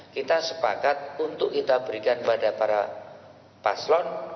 kita sepakat untuk kita berikan pada para paslon